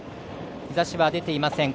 日ざしは出ていません。